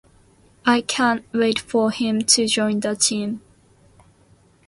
I can't wait for him to join the team.